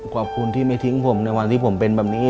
ขอบคุณที่ไม่ทิ้งผมในวันที่ผมเป็นแบบนี้